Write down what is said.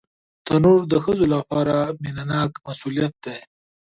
تنور د ښځو لپاره مینهناک مسؤلیت دی